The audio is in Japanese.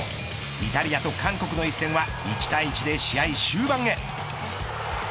イタリアと韓国の一戦は１対１で試合終盤へ。